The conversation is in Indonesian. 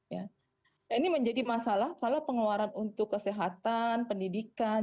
ya ini menjadi masalah kalau pengeluaran untuk kesehatan pendidikan